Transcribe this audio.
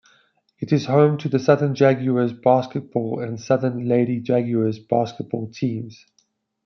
It is home to the Southern Jaguars basketball and Southern Lady Jaguars basketball teams.